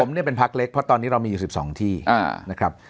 ผมเนี่ยเป็นพักเล็กเพราะตอนนี้เรามีอยู่๑๒ที่นะครับ